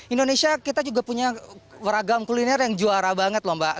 indonesia kita juga punya ragam kuliner yang juara banget loh mbak